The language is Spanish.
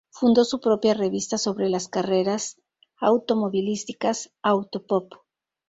Fundó su propia revista sobre las carreras automovilísticas, "Auto Pop".